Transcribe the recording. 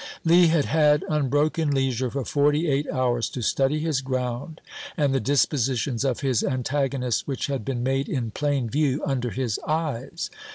Lee had had unbroken leisure for forty eight hours to study his ground and the dispositions of his antagonist, which had been made in plain view under his eyes.